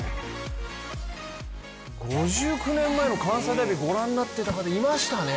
５９年前の関西ダービーご覧になっていた方、いましたね。